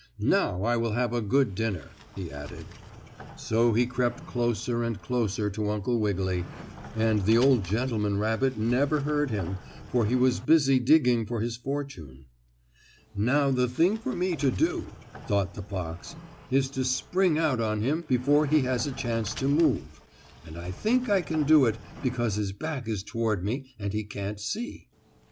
"Now I will have a good dinner," he added. So he crept closer and closer to Uncle Wiggily, and the old gentleman rabbit never heard him, for he was busy digging for his fortune. "Now the thing for me to do," thought the fox, "is to spring out on him before he has a chance to move. And I think I can do it, because his back is toward me, and he can't see."